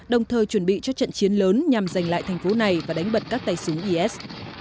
đồng thời chuẩn bị cho trận chiến lớn nhằm giành lại thành phố này và đánh bật các tay súng is